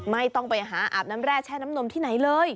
ไม่ต้องไปหาอาบน้ำแร่แช่น้ำนมที่ไหนเลย